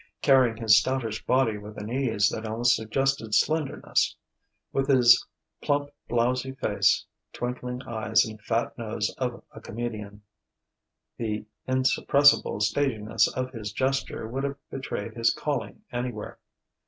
Carrying his stoutish body with an ease that almost suggested slenderness: with his plump, blowsy face, twinkling eyes and fat nose of a comedian: the insuppressible staginess of his gesture would have betrayed his calling anywhere.